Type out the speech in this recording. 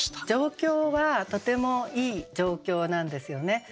状況はとてもいい状況なんですよね。